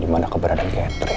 dimana keberadaan catherine